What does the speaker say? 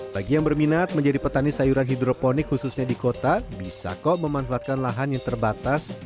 bagi yang berminat menjadi petani sayuran hidroponik khususnya di kota bisa kok memanfaatkan lahan yang terbatas